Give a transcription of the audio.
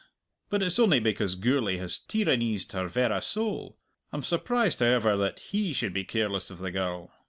But it's only because Gourlay has tyraneezed her verra soul. I'm surprised, however, that he should be careless of the girl.